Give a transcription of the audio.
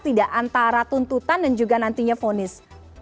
tidak antara tuntutan dan juga nantinya fonis